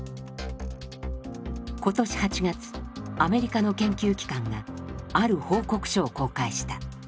今年８月アメリカの研究機関がある報告書を公開した。